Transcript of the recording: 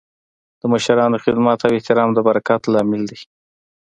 د مشرانو خدمت او احترام د برکت لامل دی.